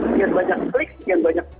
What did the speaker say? sekian banyak klik sekian banyak